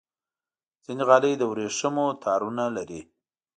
ځینې غالۍ د ورېښمو تارونو لري.